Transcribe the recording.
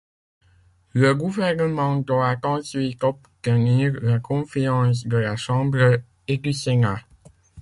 Le gouvernement doit ensuite obtenir la confiance de la Chambre et du Sénat.